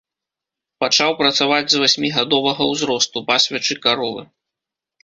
Пачаў працаваць з васьмігадовага ўзросту, пасвячы каровы.